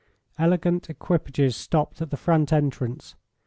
Elegant equipages stopped at the front entrance.